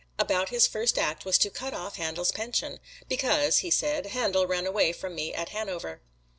About his first act was to cut off Handel's pension, "Because," he said, "Handel ran away from me at Hanover."